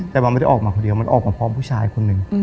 แต่มันไม่ได้ออกมาคนเดียวมันออกมาพร้อมผู้ชายคนหนึ่ง